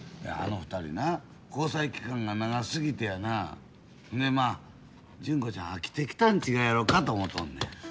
あの２人な交際期間が長すぎてやなでまあ純子ちゃん飽きてきたん違うやろかと思うとんねん。